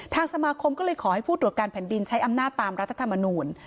สมาคมก็เลยขอให้ผู้ตรวจการแผ่นดินใช้อำนาจตามรัฐธรรมนูล